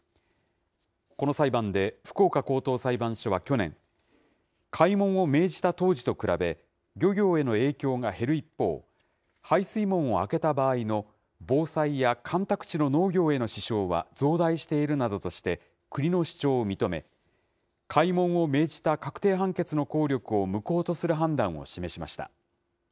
この裁判で、福岡高等裁判所は去年、開門を命じた当時と比べ、漁業への影響が減る一方、排水門を開けた場合の防災や干拓地の農業への支障は増大しているなどとして、国の主張を認め、開門を命じた確定判決の効力を無効とする判断を示しました。